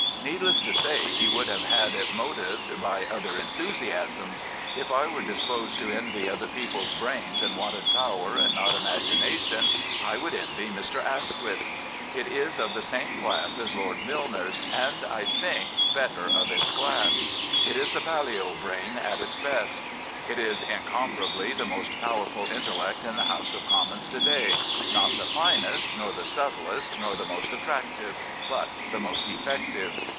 Needless to say, he would have had it motived by other enthusiasms. If I were disposed to envy other people's brains and wanted power and not imagination, I should envy Mr. Asquith's. It is of the same class as Lord Milner's, and, I think, better of its class. It is the Balliol brain at its best. It is incomparably the most power ful intellect in the House of Commons to day — not the finest, nor the subtlest, nor the most attractive, but the most effective.